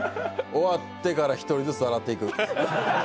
終わってから、１人ずつ洗っていく。